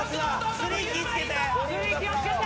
スリー気を付けて！